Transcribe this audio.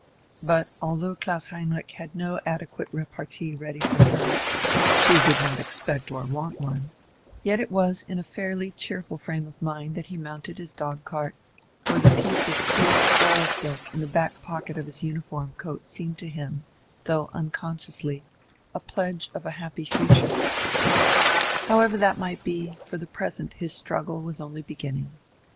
But although Klaus Heinrich had no adequate repartee ready for her she did not expect or want one yet it was in a fairly cheerful frame of mind that he mounted his dog cart; for the piece of creased oil silk in the back pocket of his uniform coat seemed to him, though unconsciously, a pledge of a happy future. However that might be, for the present his struggle was only beginning.